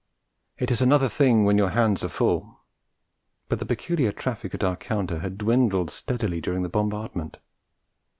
It is another thing when your hands are full. But the peculiar traffic at our counter had dwindled steadily during the bombardment.